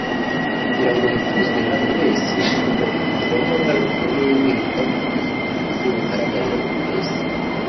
Kugirango wifuzwe naburiwese ugomba kubigiramo uruhare rukomeye wiyitaho ku buryo bugaragarira buri wese